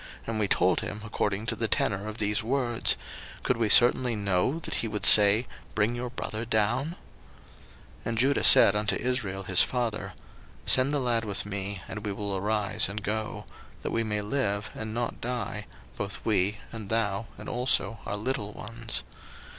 and we told him according to the tenor of these words: could we certainly know that he would say, Bring your brother down? 01:043:008 And Judah said unto Israel his father, Send the lad with me, and we will arise and go; that we may live, and not die, both we, and thou, and also our little ones.